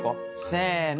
せの！